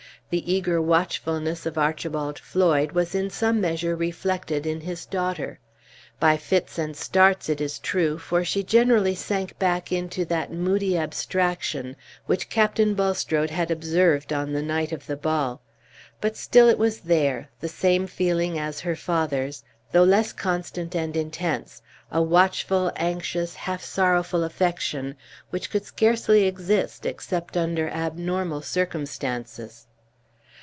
The eager watchfulness of Archibald Floyd was in some measure reflected in his daughter; by fits and starts, it is true, for she generally sank back into that moody abstraction which Captain Bulstrode had observed on the night of the ball; but still it was there, the same feeling as her father's, though less constant and intense a watchful, anxious, half sorrowful affection, which could scarcely exist except under abnormal circumstances.